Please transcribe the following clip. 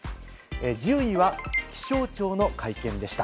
１０位は気象庁の会見でした。